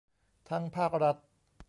ทั้งภาครัฐ